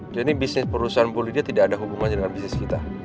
jadi bisnis perusahaan bu lydia tidak ada hubungannya dengan bisnis kita